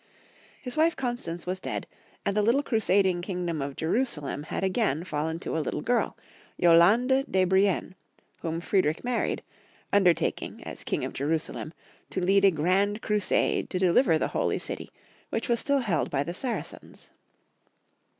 His wife Constance was dead, and the little cru sading kingdom of Jerusalem had agaiil fallen to a httle girl, Yolande de Brienne, whom Friedrich married, undertaking, as King of Jerusalem, to 163 164 Young Folks* History of Grermany. lead a grand crusade to deliver the Holy City, which was still held by the Saracens.